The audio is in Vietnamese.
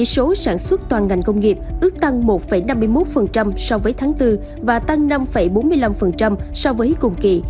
số sản xuất toàn ngành công nghiệp ước tăng một năm mươi một so với tháng bốn và tăng năm bốn mươi năm so với cùng kỳ